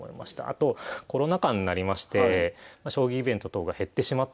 あとコロナ禍になりまして将棋イベント等が減ってしまってですね